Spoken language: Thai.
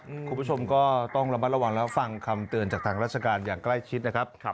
คุณผู้ชมก็ต้องระมัดระวังแล้วฟังคำเตือนจากทางราชการอย่างใกล้ชิดนะครับ